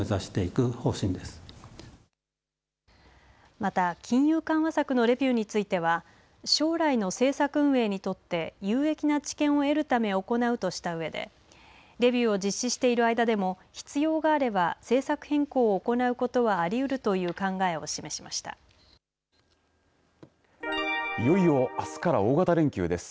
また金融緩和策のレビューについては将来の政策運営にとって有益な知見を得るため行うとしたうえでレビューを実施している間でも必要があれば政策変更を行うことはありうるという考えをいよいよあすから大型連休です。